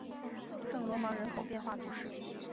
圣罗芒人口变化图示